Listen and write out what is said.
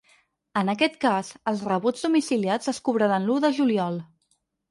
En aquest cas, els rebuts domiciliats es cobraran l’u de juliol.